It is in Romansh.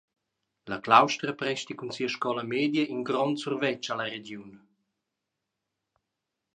La claustra presti cun sia scola media in grond survetsch alla regiun.